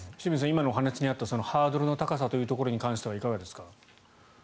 今の話にあったハードルの高さに関してはいかがですか？